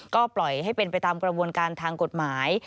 ก็ปล่อยให้เป็นไปตามกระบวนการทางกฎหมาย